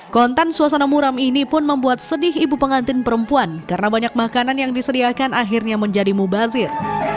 konten suasana muram ini pun membuat sedih ibu pengantin perempuan karena banyak makanan yang disediakan akhirnya menjadi mubazir